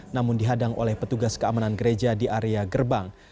namun dihadang oleh petugas keamanan gereja di area gerbang